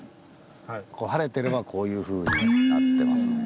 晴れてればこういうふうになってますね。